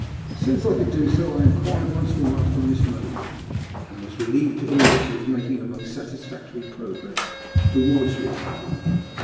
As soon as I oould do so, I enquired once more aftor Miss Ma^'boiirne, and was relieved to hear that she was making most satis factory progress towards recovery.